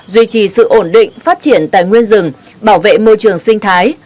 duy trì sự ổn định phát triển tài nguyên rừng bảo vệ môi trường sinh thái